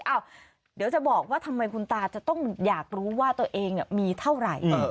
เดี๋ยวจะบอกว่าทำไมคุณตาจะต้องอยากรู้ว่าตัวเองมีเท่าไหร่